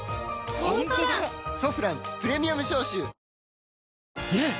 「ソフランプレミアム消臭」ねえ‼